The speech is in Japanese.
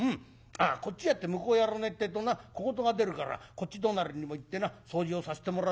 ああこっちやって向こうやらねえってえとな小言が出るからこっち隣にも行ってな掃除をさせてもらって。